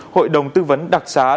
hội đồng tư vấn đặc sản